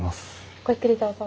ごゆっくりどうぞ。